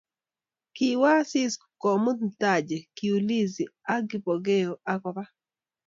Kiwo Asisi komut mtaje, kiulizi ak Kipokeo akoba